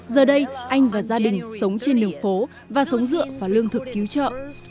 giờ đây anh và gia đình sống trên đường phố và sống dựa vào lương thực cứu trợ